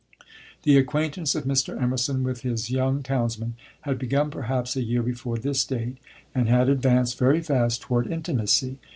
The acquaintance of Mr. Emerson with his young townsman had begun perhaps a year before this date, and had advanced very fast toward intimacy.